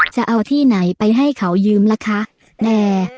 จะเอาที่ไหนไปให้เขายืมล่ะคะแต่